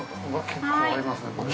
結構ありますね、これ。